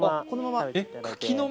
このまま？